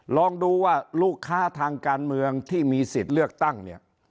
ลองดูว่าลูกค้าทางการเมืองที่มีสิทธิ์เลือกตั้งเนี่ย